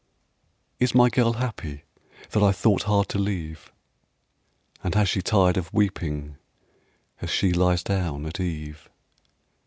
"Is my girl happy, That I thought hard to leave, And has she tired of weeping As she lies down at eve?"